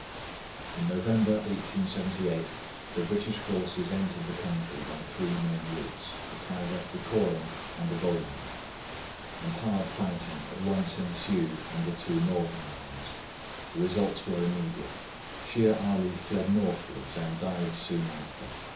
In November 1878 the British forces entered the country by three main routes, the Kyber, the Koorum, and the Bolam, and hard fighting at once ensued on the two northern ones. The results were immediate: Shere Ali fled northwards, and died soon after.